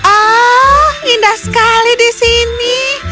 oh indah sekali di sini